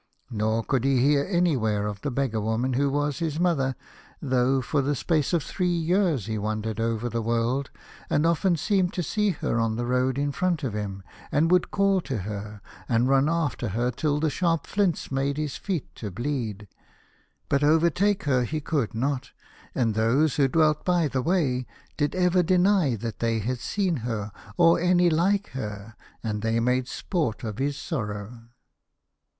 Nor could he hear anywhere of the beggar woman who was his mother, though for the space of three years he wandered over the world, and often seemed to see her on the road in front of him, and would call to her, and run after her till the sharp flints made his feet to bleed. But overtake her he could not, and those who dwelt by the way did ever deny that they had seen her, or any like to her, and they made sport of his sorrow.